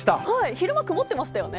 昼間、曇ってましたよね。